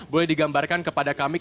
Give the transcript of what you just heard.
boleh digambarkan kepada kami